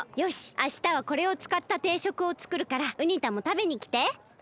あしたはこれをつかったていしょくをつくるからウニ太もたべにきて。